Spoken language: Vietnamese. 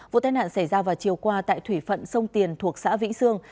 vụ tai nạn xảy ra vào chiều qua tại thủy phận sông tiền thuộc xã vĩnh sương